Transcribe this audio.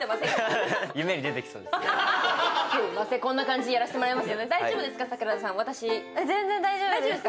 すいません、こんな感じでやらせてもらいます。